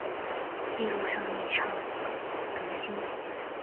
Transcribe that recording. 艺术上力倡革新